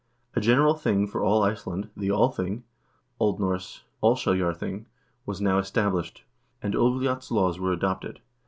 A general thing for all Iceland, the Althing (O. N. Allsher jar}>ing), was now established, and Ulvl jot's laws were adopted.